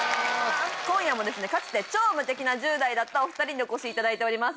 今夜もかつて超無敵な１０代だったお２人にお越しいただいてます。